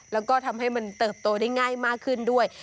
แล้วก็ทำให้มันเติบโตได้ง่ายมากขึ้นด้วย